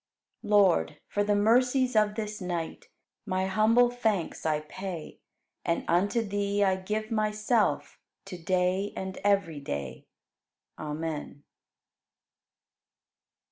16. Lord, for the mercies of this night My humble thanks I pay And unto Thee I give myself To day and every day. Amen.